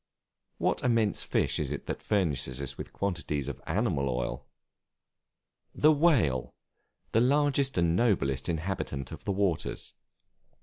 What immense fish is it that furnishes us with a quantity of animal oil? The Whale, the largest and noblest inhabitant of the waters.